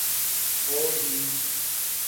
ہو گی